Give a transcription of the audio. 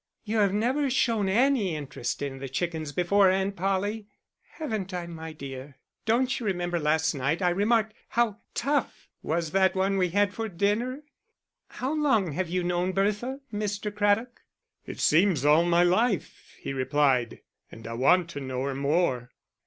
"You have never shown any interest in the chickens before, Aunt Polly." "Haven't I, my dear? Don't you remember last night I remarked how tough was that one we had for dinner?... How long have you known Bertha, Mr. Craddock?" "It seems all my life," he replied. "And I want to know her more."